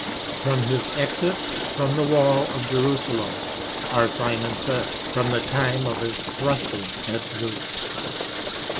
2 "From his exit from the wall of Jerusalem." R. Simon said, "from the time of his thrusting at Zuk."